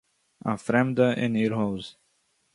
אַ פרעמדע אין איר הויז